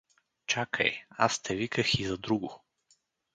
— Чакай, аз те виках и за друго.